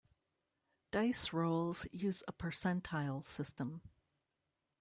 Dice rolls use a percentile system.